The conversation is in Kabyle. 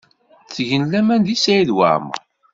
Ttgen laman deg Saɛid Waɛmaṛ.